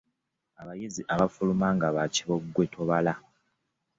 Abayizi abafuluma nga bakibogwe tobala.